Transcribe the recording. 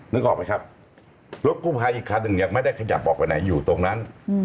นึกออกไหมครับรถกู้ภัยอีกคันหนึ่งยังไม่ได้ขยับออกไปไหนอยู่ตรงนั้น